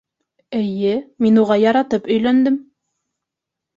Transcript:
Эйе, мин уға яратып өйләндем.